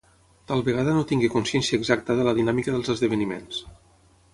Tal vegada no tingué consciència exacta de la dinàmica dels esdeveniments.